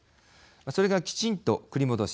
それがきちんと繰り戻し